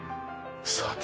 さて。